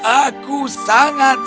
aku sangat ingin tahu